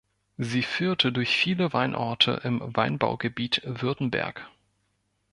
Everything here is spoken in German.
Sie führte durch viele Weinorte im Weinbaugebiet Württemberg.